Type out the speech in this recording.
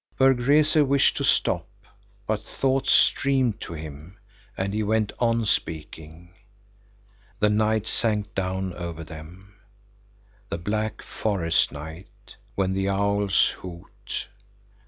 Berg Rese wished to stop, but thoughts streamed to him, and he went on speaking. The night sank down over them, the black forest night, when the owls hoot.